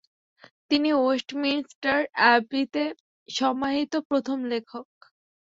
তিনি ওয়েস্টমিন্স্টার অ্যাবিতে সমাহিত প্রথম লেখক।